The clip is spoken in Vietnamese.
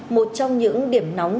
một trong những điểm nóng